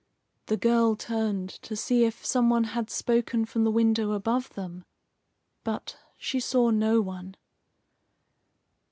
The girl turned to see if some one had spoken from the window above them, but she saw no one.